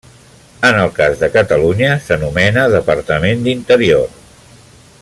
En el cas de Catalunya, s'anomena Departament d'Interior.